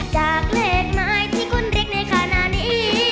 จากเลขหมายที่คุณเรียกในขณะนี้